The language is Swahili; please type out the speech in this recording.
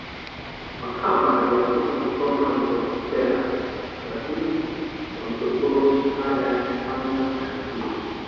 Makamba aliamua kusoma diplomasia ya utatuzi wa migogoro shahada ya kwanza na ya pili